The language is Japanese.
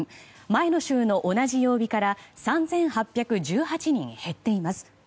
前の週の同じ曜日から３８１８人減っています。